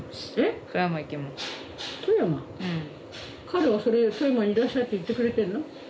彼はそれで富山にいらっしゃいって言ってくれてんの？